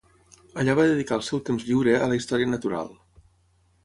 Allà va dedicar el seu temps lliure a la història natural.